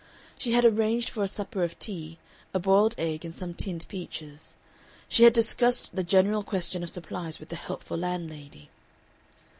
She had arranged for a supper of tea, a boiled egg, and some tinned peaches. She had discussed the general question of supplies with the helpful landlady.